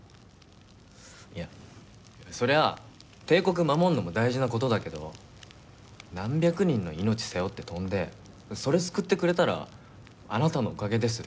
いやそりゃあ定刻守るのも大事な事だけど何百人の命背負って飛んでそれ救ってくれたら「あなたのおかげです。